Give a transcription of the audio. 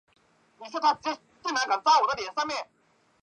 马普托国际机场是莫桑比克共和国首都马普托的国际机场。